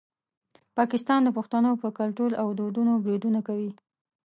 پاکستان د پښتنو په کلتور او دودونو بریدونه کوي.